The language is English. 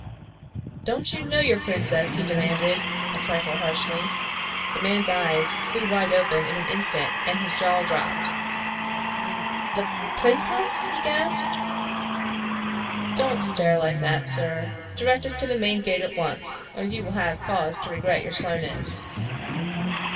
"Don't you know your princess?" he demanded, a trifle harshly. The man's eyes flew wide open in an instant and his jaw dropped. "Th the princess?" he gasped. "Don't stare like that, sir. Direct us to the main gate at once, or you will have cause to regret your slowness."